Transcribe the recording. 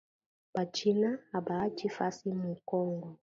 Ba china abaachi fasi mu kongo